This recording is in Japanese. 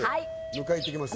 迎えいってきます